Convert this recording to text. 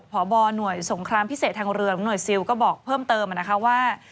พบหน่วยสงครามพิเศษทางเรือหรือหน่วยซิลก็บอกเพิ่มเติมนะคะว่า